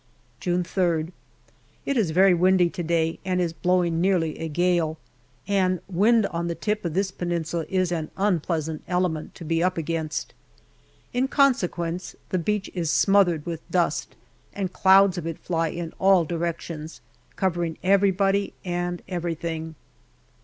June 3rd. It is very windy to day, and is blowing nearly a gale, and wind on the tip of this peninsula is an unpleasant element to be up against. In consequence, the beach is JUNE 117 smothered with dust, and clouds of it fly in all directions, covering everybody and everything.